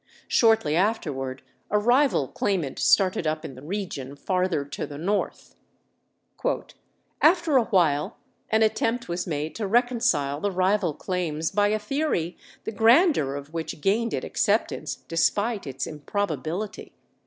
Shortly afterward a rival claimant started up in the region farther to the north. "After a while an attempt was made to reconcile the rival claims by a theory the grandeur of which gained it acceptance, despite its improbability.